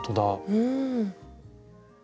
うん。